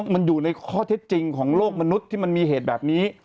มันอยู่ในข้อเท็จจริงของโลกมนุษย์ที่มันมีเหตุแบบนี้